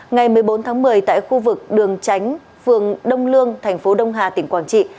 ngày một mươi bốn tháng một mươi tại khu vực đường chánh phường đông lương tp đông hà tỉnh quảng trị